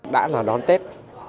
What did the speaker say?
đã là đón tết